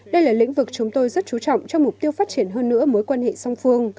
đây là lĩnh vực chúng tôi rất chú trọng cho mục tiêu phát triển hơn nữa mối quan hệ song phương